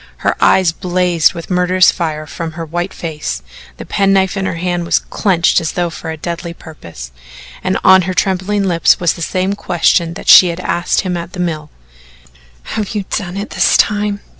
Her eyes blazed with murderous fire from her white face, the penknife in her hand was clenched as though for a deadly purpose, and on her trembling lips was the same question that she had asked him at the mill: "Have you done it this time?"